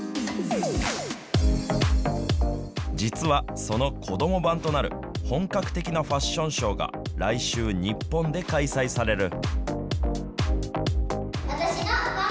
実はその子ども版となる、本格的なファッションショーが来週、日本で開催される。